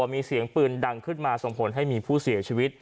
มีเสียงปืนดังขึ้นมาส่งผลให้มีผู้เสียชีวิต